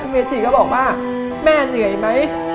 เมจิก็บอกว่าแม่เหนื่อยไหม